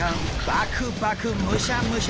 バクバクむしゃむしゃ。